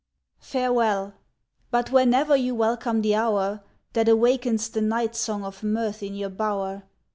Farewell! but whenever you welcome the hour That awakens the night song of mirth in your bower.